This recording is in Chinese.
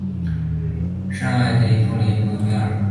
圣艾蒂安德丰贝隆。